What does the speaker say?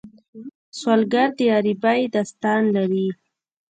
سوالګر د غریبۍ داستان لري